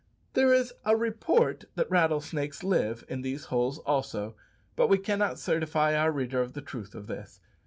There is a report that rattlesnakes live in these holes also; but we cannot certify our reader of the truth of this.